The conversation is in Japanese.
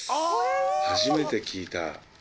初めて聞いた。